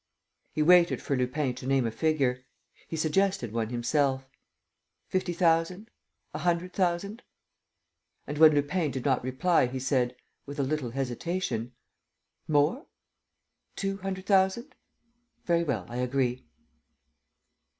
He waited for Lupin to name a figure. He suggested one himself: "Fifty thousand? ... A hundred thousand?" And, when Lupin did not reply, he said, with a little hesitation: "More? Two hundred thousand? Very well! I agree."